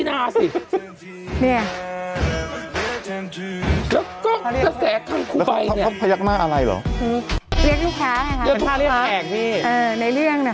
ในเรื่องเนี่ยคะ